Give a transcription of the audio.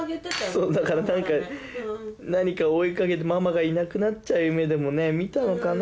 そうだから何かを追いかけてママがいなくなっちゃう夢でも見たのかな？